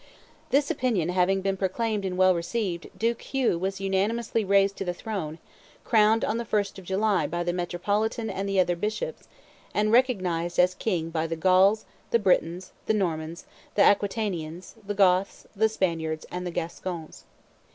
"This opinion having been proclaimed and well received, Duke Hugh was unanimously raised to the throne, crowned on the 1st of July by the metropolitan and the other bishops, and recognized as king by the Gauls, the Britons, the Normans, the Aquitanians, the Goths, the Spaniards, and the Gascons.